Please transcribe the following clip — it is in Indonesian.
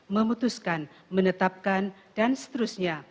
memutuskan menetapkan dan seterusnya